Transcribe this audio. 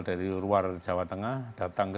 dari luar jawa tengah datang ke